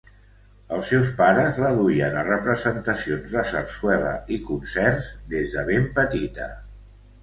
Els seus pares la duien a representacions de sarsuela i concerts des de ben petita.